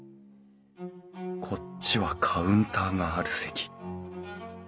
こっちはカウンターがある席。